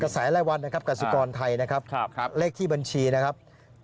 กระแสไร้วันกสิกรไทยนะครับเลขที่บัญชี๗๐๖๑๐๓๗๗๙๓ครับ